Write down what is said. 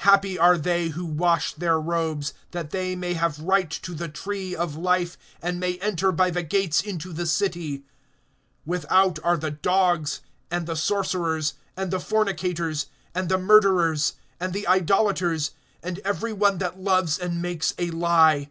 (14)Happy are they who wash their robes, that they may have right to the tree of life, and may enter by the gates into the city. (15)without are the dogs, and the sorcerers, and the fornicators, and the murderers, and the idolaters, and every one that loves and makes a lie.